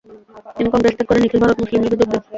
তিনি কংগ্রেস ত্যাগ করে নিখিল ভারত মুসলিম লীগে যোগ দেন।